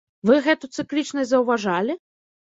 Вы гэту цыклічнасць заўважалі?